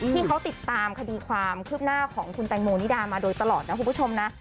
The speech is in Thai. ที่เขาติดตามคดีความคืบหน้าของคุณแตงโมนิดามาโดยตลอดนะคุณผู้ชมนะ